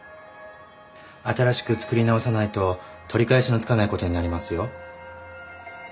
新しく作り直さないと取り返しのつかないことになりますよ。